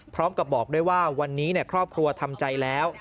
พร้อมกับบอกด้วยว่าวันนี้ครอบครัวทำใจแล้ว